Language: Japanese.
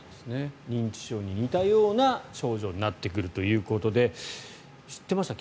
認知症に似たような症状になってくるということで知ってました？